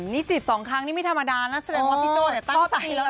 นี่จีบสองครั้งนี่ไม่ธรรมดานะแสดงว่าพี่โจ้เนี่ยตั้งใจแล้วนะ